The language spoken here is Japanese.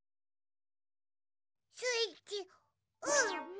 スイッチオン！